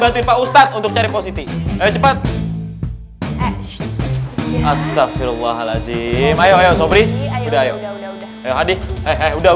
anak anak ustazah tinggal sebentar ya